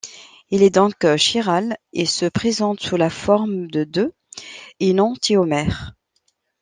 Il est donc chiral et se présente sous la forme de deux énantiomères.